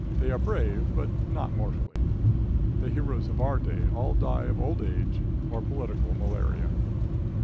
They are brave, but not mortally. The heroes of our day all die of old age or political malaria.